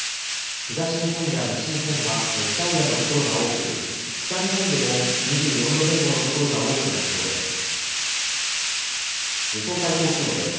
東日本や西日本は熱帯夜の所が多く北日本でも２４度前後の所が多くなりそうです。